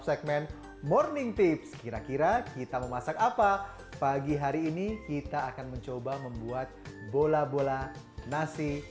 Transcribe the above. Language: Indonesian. segmen morning tips kira kira kita memasak apa pagi hari ini kita akan mencoba membuat bola bola nasi